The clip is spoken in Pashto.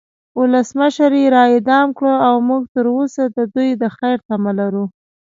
ولسمشر یی را اعدام کړو او مونږ تروسه د دوی د خیر تمه لرو